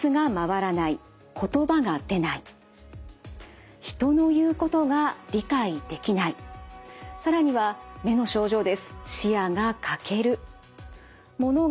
まずは更には目の症状です。